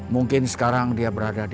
mungkin sekarang dia berada di rumah ratna